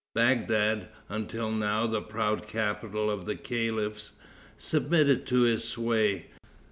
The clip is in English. Bagdad, until now the proud capital of the caliphs, submitted to his sway.